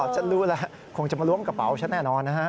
ฉันรู้แล้วคงจะมาล้วงกระเป๋าฉันแน่นอนนะฮะ